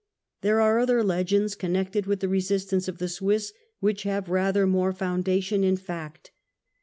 There are other legends connected with the resis tance of the Swiss, which have rather more foundation in fact.